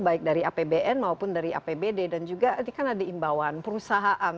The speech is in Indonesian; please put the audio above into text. baik dari apbn maupun dari apbd dan juga ini kan ada imbauan perusahaan